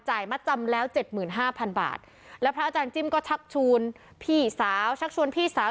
จ่ายมาจำแล้วเจ็ดหมื่นห้าพันบาทแล้วพระอาจารย์จิ้มก็ชักชวนพี่สาว